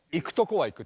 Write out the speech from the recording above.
はい。